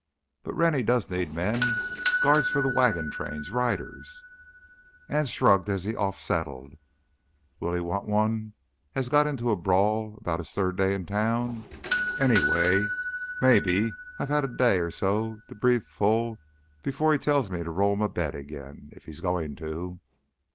"But Rennie does need men—guards for the wagon trains, riders——" Anse shrugged as he off saddled. "Will he want one as got into a brawl about his third day in town? Anyway, maybe I've a day or so to breathe full before he tells me to roll m' bed again, if he's goin' to."